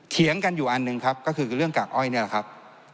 เถียงกันอยู่อันหนึ่งครับก็คือเรื่องกากอ้อยนี่แหละครับ